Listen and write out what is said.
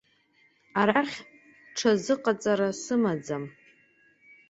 Арахь ҽазыҟаҵара сымаӡам.